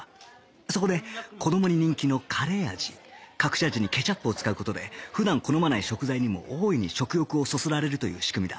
そこで子どもに人気のカレー味隠し味にケチャップを使う事で普段好まない食材にも大いに食欲をそそられるという仕組みだ